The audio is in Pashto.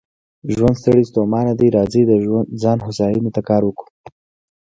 ژوند ستړی ستومانه دی، راځئ د ځان هوساینې ته کار وکړو.